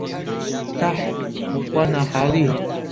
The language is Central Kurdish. تەح، بەخوا ناحاڵییە